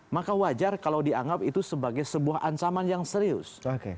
maka wajar kalau dianggap itu sebagai sebuah ancaman yang serius